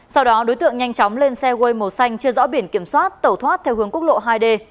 sau đó đối tượng nhanh chóng lên xe ơi màu xanh chưa rõ biển kiểm soát tẩu thoát theo hướng quốc lộ hai d